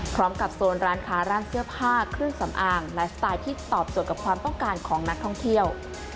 โซนร้านค้าร้านเสื้อผ้าเครื่องสำอางไลฟ์สไตล์ที่ตอบโจทย์กับความต้องการของนักท่องเที่ยว